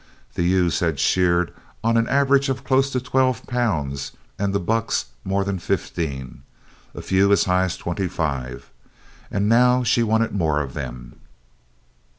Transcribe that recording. The ewes had sheared on an average of close to twelve pounds and the bucks more than fifteen, a few as high as twenty five. And now she wanted more of them.